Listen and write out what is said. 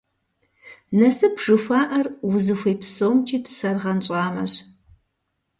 Насып жыхуаӀэр узыхуей псомкӀи псэр гъэнщӀамэщ.